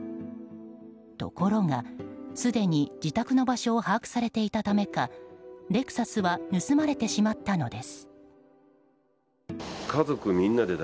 ところが、すでに自宅の場所を把握されていたためかレクサスは盗まれてしまったのです。